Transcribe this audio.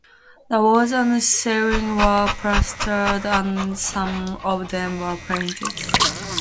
The walls and ceiling were plastered and some of them were painted.